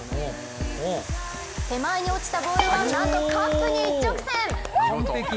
手前に落ちたボールはなんとカップに一直線！